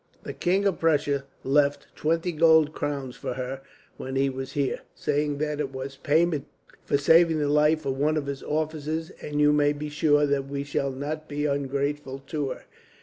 "The King of Prussia left twenty gold crowns for her, when he was here, saying that it was payment for saving the life of one of his officers; and you may be sure that we shall not be ungrateful to her.